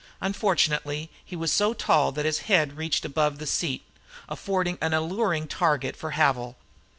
Unfortunately he was so tall that his head reached above the seat, affording a most alluring target for Havil.